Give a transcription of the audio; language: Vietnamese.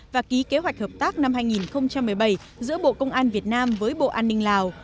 và ký kế hoạch hợp tác năm hai nghìn một mươi bảy giữa bộ công an việt nam với bộ an ninh lào